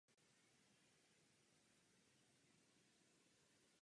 Stojí zde pomník věnovaný padlým partyzánům.